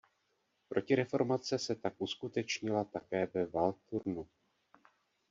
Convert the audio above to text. Protireformace se tak uskutečnila také ve Waldthurnu.